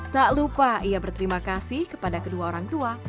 tak lupa ia berterima kasih kepada kedua orang tua